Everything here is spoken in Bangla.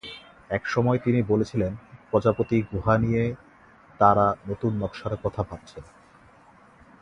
একসময় তিনি বলেছিলেন, প্রজাপতি গুহা নিয়ে তাঁরা নতুন নকশার কথা ভাবছেন।